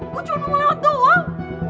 gue cuma mau lewat doang